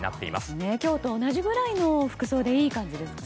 今日と同じくらいの服装でいい感じですかね？